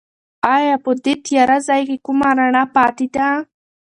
ایا په دې تیاره ځای کې کومه رڼا پاتې ده؟